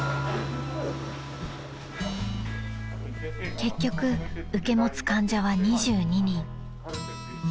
［結局受け持つ患者は２２人］